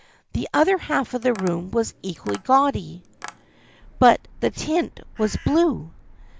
The other half of the room was equally gaudy, but the tint was blue.